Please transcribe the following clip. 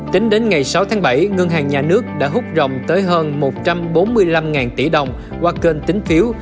tính đến ngày sáu tháng bảy ngân hàng nhà nước đã hút rồng tới hơn một trăm bốn mươi năm tỷ đồng qua kênh tính phiếu